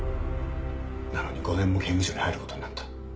なのに５年も刑務所に入ることになった。